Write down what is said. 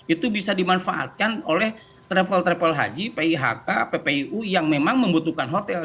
itu bisa dimanfaatkan oleh travel travel haji pihk ppuu yang memang membutuhkan hotel